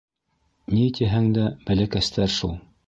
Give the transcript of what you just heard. Ни тиһәң дә, бәләкәстәр шул.